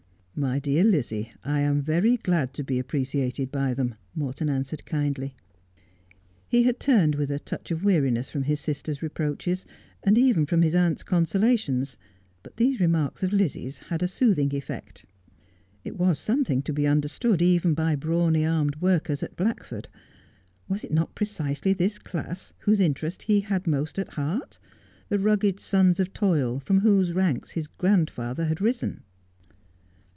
' My dear Lizzie, I am very glad to be appreciated by them,' Morton answered kindly. He had turned with a touch of weariness from his sisters' reproaches, and even from his aunt's consolations, but these re marks of Lizzie's had a soothing effect. It was something to be understood even by brawny armed workers at Blackford. "Was it not precisely this class whose interest he had most at heart, the rugged sons of toil, from whose ranks his grandfather had risen